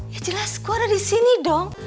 ya jelas kok ada di sini dong